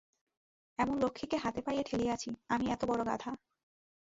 এমন লক্ষ্মীকে হাতে পাইয়া ঠেলিয়াছি, আমি এতো বড়ো গাধা।